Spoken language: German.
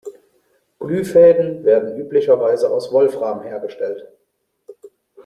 Glühfäden werden üblicherweise aus Wolfram hergestellt.